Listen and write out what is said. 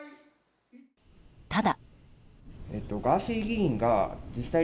ただ。